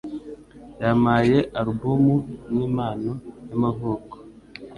Yampaye alubumu nkimpano y'amavuko.